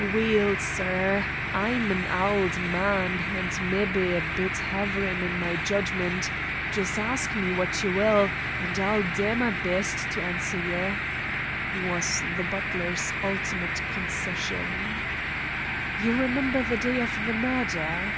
"Weel, sir, I'm an auld man, and mebbe a bit haverin' in my judgment. Just ask me what ye wull, an' I'll dae my best to answer ye," was the butler's ultimate concession. "You remember the day of the murder?"